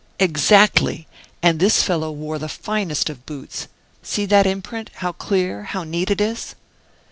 "Exactly. And this fellow wore the finest of boots. See that imprint, how clear, how neat it is!"